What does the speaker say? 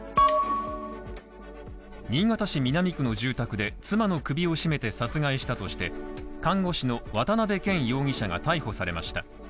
新潟市南区の住宅で妻の首を絞めて殺害したとして、看護師の渡辺容疑者が逮捕されました。